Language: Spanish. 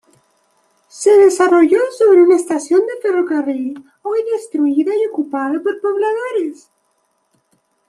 Se desarrolló sobre una estación de ferrocarril hoy destruida y ocupada por pobladores.